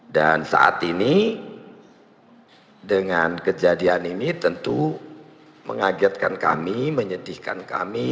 dan saat ini dengan kejadian ini tentu mengagetkan kami menyedihkan kami